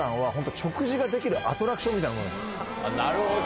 なるほど！